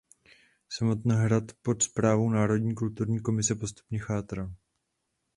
Samotný hrad pod správou Národní kulturní komise postupně chátral.